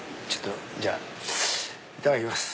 じゃあいただきます。